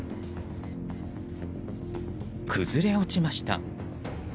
崩れ落ちました。